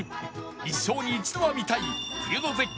一生に一度は見たい冬の絶景